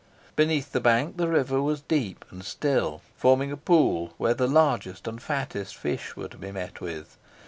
Beneath the bank the river was deep and still, forming a pool, where the largest and fattest fish were to be met with.